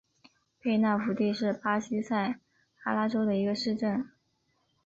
佩纳福蒂是巴西塞阿拉州的一个市镇。